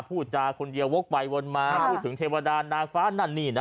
พูดจาคนเดียววกไปวนมาพูดถึงเทวดานางฟ้านั่นนี่นะ